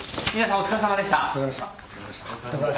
お疲れさまでした。